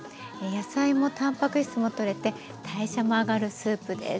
野菜もたんぱく質もとれて代謝も上がるスープです。